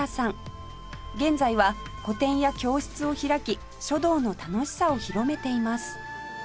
現在は個展や教室を開き書道の楽しさを広めています